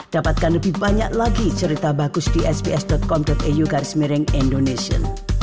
dapatkan lebih banyak lagi cerita bagus di sps com eu garis miring indonesia